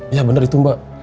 iya bener itu mbak